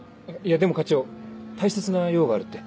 でも課長大切な用があるって。